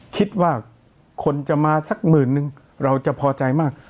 คิดว่าคนจะมาสักหมื่นนึงเราจะพอใจมาก